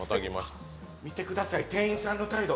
見てください、店員さんの態度。